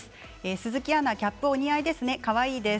鈴木アナ、キャップお似合いですね、かわいいです。